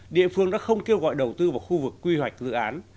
địa phương đã không kêu gọi đầu tư vào khu vực quy hoạch dự án